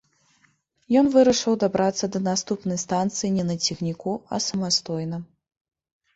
Ён вырашыў дабрацца да наступнай станцыі не на цягніку, а самастойна.